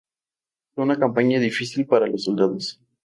Fue una campaña difícil para los soldados.